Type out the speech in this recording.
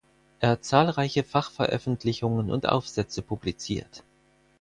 Er hat zahlreiche Fachveröffentlichungen und Aufsätze publiziert.